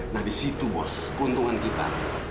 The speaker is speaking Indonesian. nah di situ bos keuntungan kita